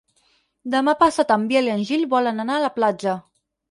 Demà passat en Biel i en Gil volen anar a la platja.